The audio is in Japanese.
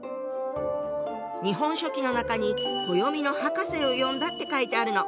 「日本書紀」の中に「暦の博士を呼んだ」って書いてあるの。